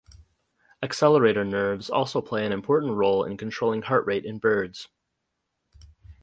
Accelerator nerves also play an important role in controlling heart rate in birds.